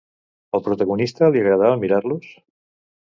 Al protagonista li agradava mirar-los?